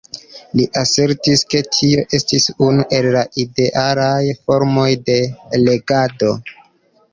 Li asertis, ke tio estis unu el la idealaj formoj de regado.